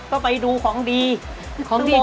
ก็ไปดูของดี